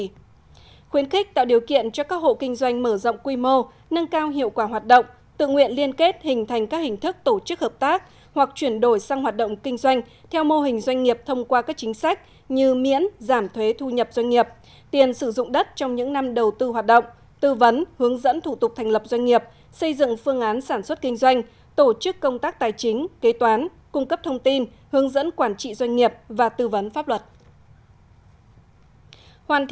có các cơ chế chính sách khuyến khích tạo điều kiện cho các hộ kinh doanh mở rộng quy mô nâng cao hiệu quả hoạt động tự nguyện liên kết hình thành các hình thức tổ chức hợp tác hoặc chuyển đổi sang hoạt động kinh doanh theo mô hình doanh nghiệp thông qua các chính sách như miễn giảm thuế thu nhập doanh nghiệp tiền sử dụng đất trong những năm đầu tư hoạt động tư vấn hướng dẫn thủ tục thành lập doanh nghiệp xây dựng phương án sản xuất kinh doanh tổ chức công tác tài chính kế toán cung cấp thông tin hướng dẫn quản trị doanh